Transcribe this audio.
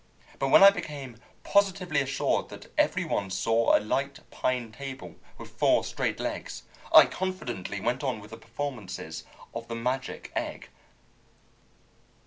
But when I became positively assured that every one saw a light pine table with four straight legs, I confidently went on with the performances of the magic egg."